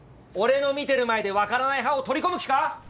俺の見てる前でわからない派を取り込む気か！